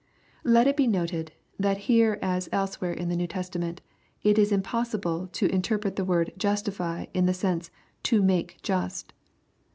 Let it be noted, that here as elsewhere in the New Testament, it is impossible to interpret the word "^iuatify" in the sense of ''* tc make just."